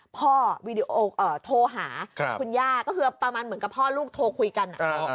วีดีโอโทรหาคุณย่าก็คือประมาณเหมือนกับพ่อลูกโทรคุยกัน